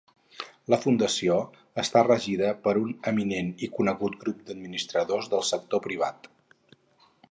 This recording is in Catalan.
La Fundació està regida per un eminent i conegut grup d'administradors del sector privat.